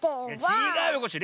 ちがうよコッシー。